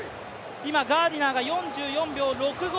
今、ガーディナーが４４秒６５。